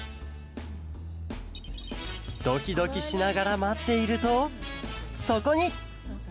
ドキドキしながらまっているとそこに！